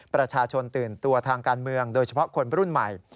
ประชาชนตื่นตัวทางการเมืองโดยเฉพาะคนรุ่นใหม่